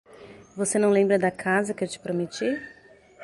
Você não lembra da casa que eu te prometi?